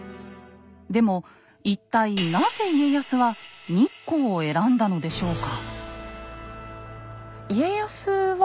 でも一体なぜ家康は日光を選んだのでしょうか？